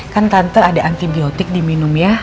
kan tante ada antibiotik diminum ya